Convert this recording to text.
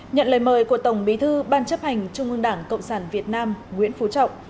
nhận lời mời của tổng bí thư ban chấp hành trung ương đảng cộng sản việt nam nguyễn phú trọng